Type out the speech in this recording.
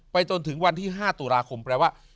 จนถึงวันที่๕ตุลาคมแปลว่า